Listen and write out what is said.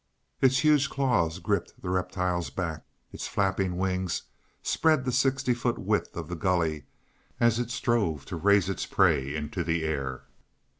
Its huge claws gripped the reptile's back; its flapping wings spread the sixty foot width of the gully as it strove to raise its prey into the air.